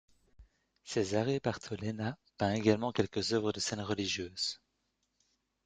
Cesare Bartolena peint également quelques œuvres de scènes religieuses.